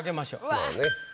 まあね。